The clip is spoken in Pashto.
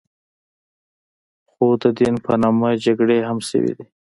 خو د دین په نامه جګړې هم شوې دي.